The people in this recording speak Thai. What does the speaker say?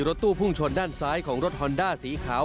รถตู้พุ่งชนด้านซ้ายของรถฮอนด้าสีขาว